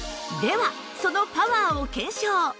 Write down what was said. ではそのパワーを検証！